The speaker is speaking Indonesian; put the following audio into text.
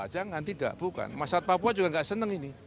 jangan tidak bukan masyarakat papua juga nggak senang ini